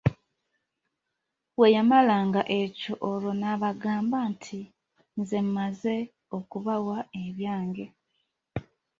Bweyamalanga ekyo olwo nabagamba nti nze mmaze okubawa ebyange.